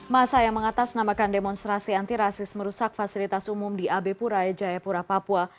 masa yang mengatas nambahkan demonstrasi antirasis merusak fasilitas umum di ab puraya jayapura papua